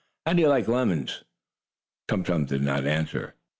How do you like lemons?" Tum Tum did not answer.